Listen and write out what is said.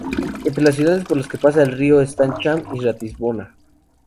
Entre las ciudades por las que pasa el río están Cham y Ratisbona.